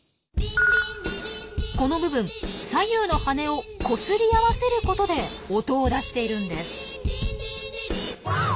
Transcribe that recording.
この部分左右の翅をこすり合わせることで音を出しているんです！